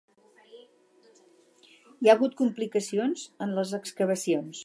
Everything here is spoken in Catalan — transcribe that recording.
Hi ha hagut complicacions en les excavacions.